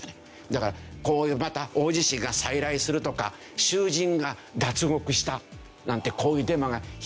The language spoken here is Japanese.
だからこういう「また大地震が再来する」とか「囚人が脱獄した」なんてこういうデマが広がった。